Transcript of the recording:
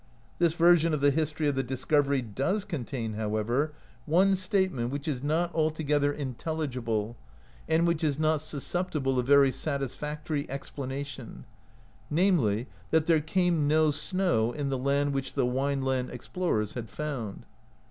This version of the history of the discov ery does contain, however, one statement which is not 26 THE CREDIBILITY OF ERICS SAGA altogether intelligible and which is not susceptible of very satisfactory explanation, namely, that "there came no snow" in the land which the Wineland explorers had found.